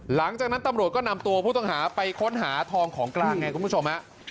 หลังจากนั้นตำรวจก็นำตัวผู้ต้องหาไปค้นหาทองของกลางไงคุณผู้ชมฮะ